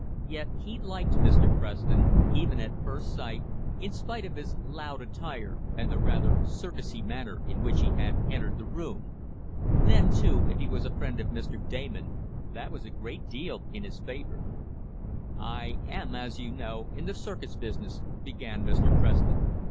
Yet he liked Mr. Preston, even at first sight, in spite of his "loud" attire, and the rather "circusy" manner in which he had entered the room. Then too, if he was a friend of Mr. Damon, that was a great deal in his favor. "I am, as you know, in the circus business," began Mr. Preston.